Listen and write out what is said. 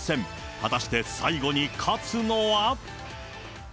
果たして最後に勝つのは。